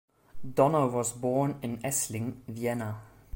Donner was born in Essling, Vienna.